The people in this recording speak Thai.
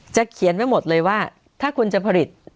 เขียนไว้หมดเลยว่าถ้าคุณจะผลิต